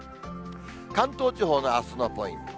関東地方のあすのポイント。